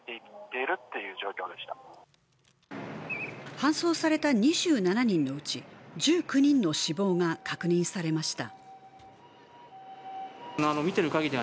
搬送された２７人のうち１９人の死亡が確認されました。